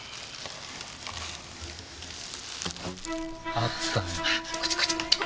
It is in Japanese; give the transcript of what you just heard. あったよ。